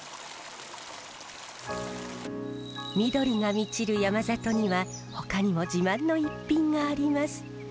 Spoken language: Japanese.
緑が満ちる山里にはほかにも自慢の逸品があります。